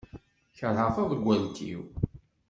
Keṛheɣ taḍeggalt-iw.